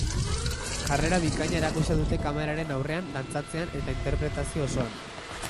Jarrera bikaina erakusten dute kameraren aurrean dantzatzean eta interpretazio osoan.